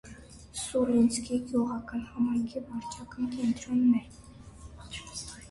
Սուլինսկի գյուղական համայնքի վարչական կենտրոնն է։